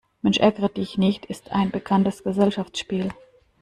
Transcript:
Mensch-Ärgere-Dich-nicht ist ein bekanntes Gesellschaftsspiel.